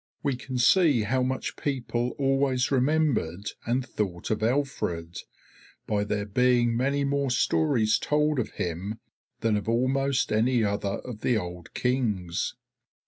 We can see how much people always remembered and thought of Alfred, by there being many more stories told of him than of almost any other of the old Kings.